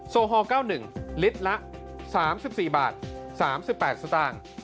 โอฮอล๙๑ลิตรละ๓๔บาท๓๘สตางค์